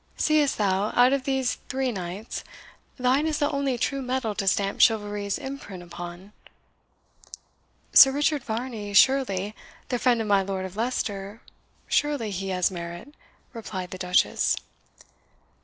Seest thou, out of these three knights, thine is the only true metal to stamp chivalry's imprint upon?" "Sir Richard Varney, surely the friend of my Lord of Leicester surely he has merit," replied the Duchess.